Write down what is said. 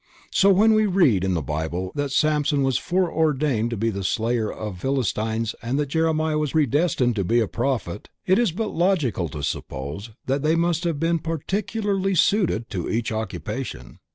So when we read in the Bible that Samson was foreordained to be the slayer of the Philistines and that Jeremiah was predestined to be a prophet, it is but logical to suppose that they must have been particularly suited to such occupation.